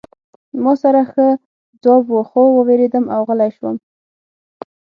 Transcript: ما سره ښه ځواب و خو ووېرېدم او غلی شوم